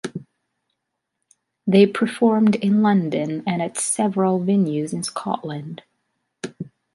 They performed in London and at several venues in Scotland.